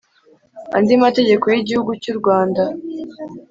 andi mategeko y igihugu cy u Rwanda